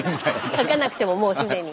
書かなくてももう既に。